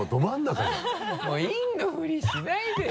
もう陰のふりしないでよ